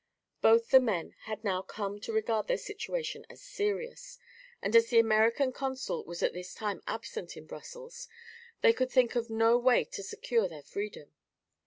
Both the men had now come to regard their situation as serious and as the American consul was at this time absent in Brussels they could think of no way to secure their freedom.